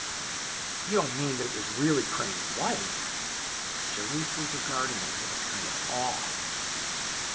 'You don't mean that it was really Crane's wife?' Jelliffe was regarding him with a kind of awe.